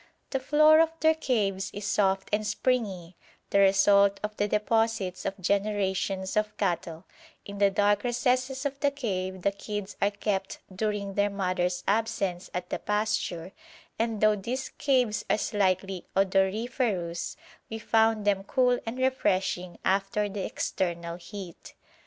The floor of their caves is soft and springy, the result of the deposits of generations of cattle; in the dark recesses of the cave the kids are kept during their mother's absence at the pasture, and though these caves are slightly odoriferous, we found them cool and refreshing after the external heat.